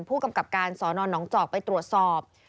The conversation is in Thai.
ผู้กำกับการสอนอนน้องจอกไปตรวจสอบ